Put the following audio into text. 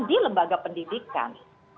di lembaga pendidikan